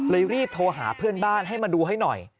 รีบโทรหาเพื่อนบ้านให้มาดูให้หน่อย